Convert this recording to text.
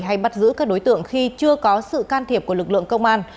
hay bắt giữ các đối tượng khi chưa có sự can thiệp của lực lượng công an